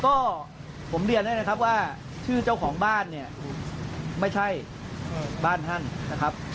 ก็ผมเรียนให้นะครับว่าชื่อเจ้าของบ้านเนี่ยไม่ใช่บ้านท่านนะครับ